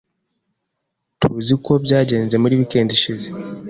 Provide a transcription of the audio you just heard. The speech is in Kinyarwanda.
Tuzi uko byagenze muri weekend ishize.